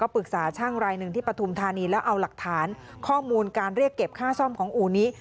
ปรึกษาช่างรายหนึ่งที่ปฐุมธานีแล้วเอาหลักฐานข้อมูลการเรียกเก็บค่าซ่อมของอู่นี้